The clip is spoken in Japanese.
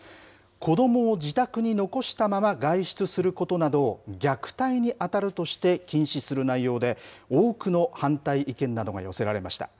子どもを自宅に残したまま外出することなどを、虐待に当たるとして禁止する内容で、多くの反対意見などが寄せられました。